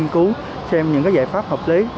họ phải cứu xem những giải pháp hợp lý